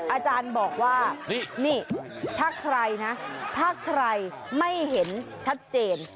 อาจารย์บอกว่านี่ถ้าใครนะถ้าใครไม่เห็นชัดเจน